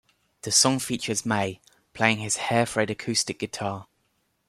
The song features May playing his Hairfred acoustic guitar.